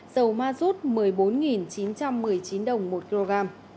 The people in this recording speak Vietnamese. dầu mazut tăng một mươi bốn chín trăm một mươi chín đồng một kg